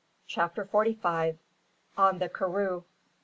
CHAPTER FORTY FIVE. ON THE KARROO.